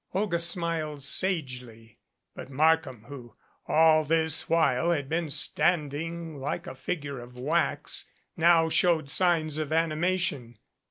Olga smiled sagely, but Markham, who all this while had been standing like a figure of wax, now showed signs of animation.